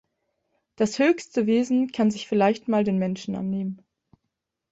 Das höchste Wesen kann sich vielleicht mal den Menschen annehmen.